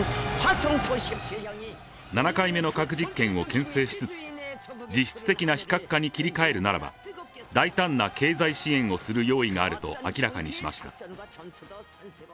７回目の核実験をけん制しつつ実質的な非核化に切り替えるならば大胆な経済支援をする用意があると明らかにしました。